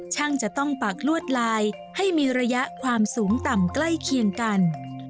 ช่างจะต้องปักลวดลายให้มีระยะความสูงต่ำใกล้เคียงกัน